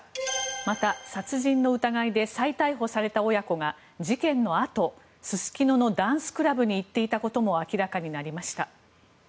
また殺人の疑いで再逮捕された親子が事件のあとすすきののダンスクラブに行っていたことも明らかになりました。